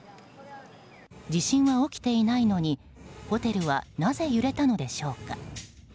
地震は起きていないのにホテルはなぜ揺れたのでしょうか。